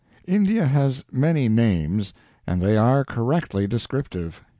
India has many names, and they are correctly descriptive.